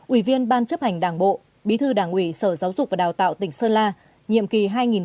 ủy viên ban chấp hành đảng bộ bí thư đảng ủy sở giáo dục và đào tạo tỉnh sơn la nhiệm kỳ hai nghìn một mươi năm hai nghìn hai mươi